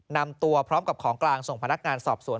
นำตัวพร้อมกับของกลางส่งพนักงานสอบสวน